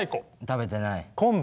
食べてない。